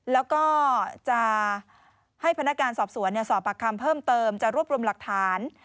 แล้วก็จะให้พนักการสอบสวนสอบปากคำเพิ่มเติมจะรวบรวมหลักฐาน